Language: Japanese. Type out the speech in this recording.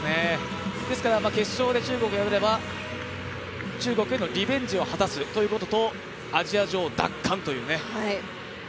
決勝で中国を破れば中国へのリベンジを果たすということとアジア女王奪還という。